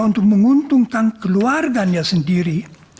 untuk menguntungkan keluarganya sendiri